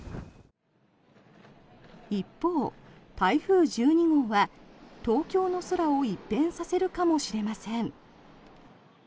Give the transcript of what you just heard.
一方、台風１２号は東京の空を一変させるかもしれません。